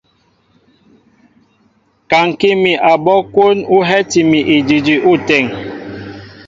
Kaŋkí mi abɔ́ kwón ú hɛ́ti mi idʉdʉ ôteŋ.